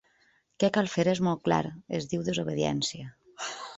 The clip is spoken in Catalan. Què cal fer és molt clar, es diu desobediència.